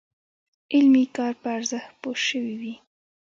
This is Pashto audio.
علمي کار په ارزښت پوه شوي وي.